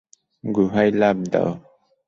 গুহায় লাফ দাও!